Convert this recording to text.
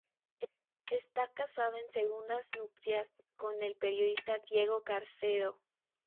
Está casada en segundas nupcias con el periodista Diego Carcedo.